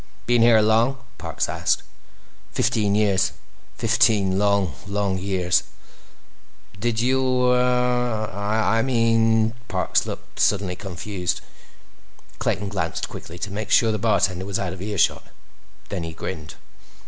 "Been here long?" Parks asked. "Fifteen years. Fifteen long, long years." "Did you—uh—I mean—" Parks looked suddenly confused. Clayton glanced quickly to make sure the bartender was out of earshot. Then he grinned.